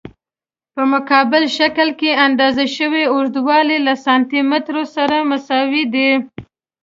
په مقابل شکل کې اندازه شوی اوږدوالی له سانتي مترو سره مساوي دی.